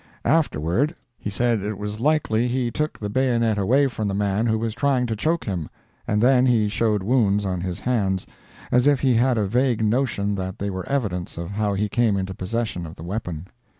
Afterward, he said it was likely he took the bayonet away from the man who was trying to choke him—and then he showed wounds on his hands, as if he had a vague notion that they were evidence of how he came into possession of the weapon.